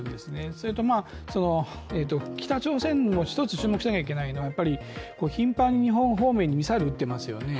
それと北朝鮮の一つ注目しなきゃいけないのがやっぱり頻繁に日本方面にミサイルを撃っていますよね。